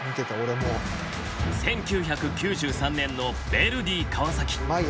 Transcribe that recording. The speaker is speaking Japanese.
１９９３年のヴェルディ川崎。